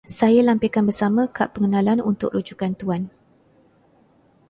Saya lampirkan bersama kad pengenalan untuk rujukan Tuan.